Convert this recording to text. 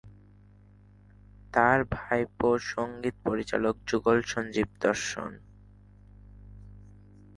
তার ভাইপো সঙ্গীত পরিচালক যুগল সঞ্জীব-দর্শন।